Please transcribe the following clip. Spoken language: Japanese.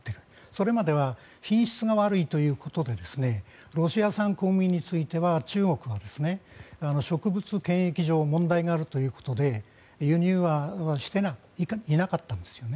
それまでは品質が悪いということでロシア産小麦については中国は食物検疫上に問題があるということで輸入はしていなかったんです。